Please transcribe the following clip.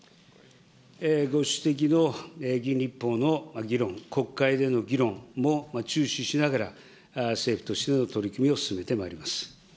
ご指摘の議員立法の議論、国会での議論も注視しながら、政府としての取り組みを進めてまいります。